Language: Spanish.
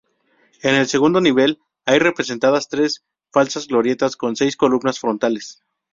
En el segundo nivel hay representadas tres falsas glorietas con seis columnas frontales.